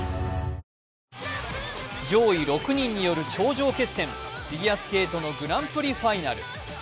上位６人による頂上決戦、フィギュアスケートのグランプリファイナル。